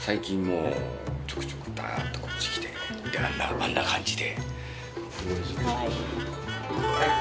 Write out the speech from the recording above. あんな感じで。